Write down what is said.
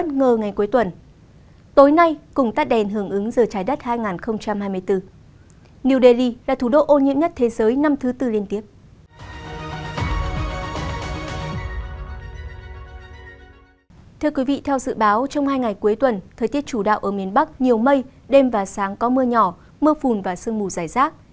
thưa quý vị theo dự báo trong hai ngày cuối tuần thời tiết chủ đạo ở miền bắc nhiều mây đêm và sáng có mưa nhỏ mưa phùn và sương mù dài rác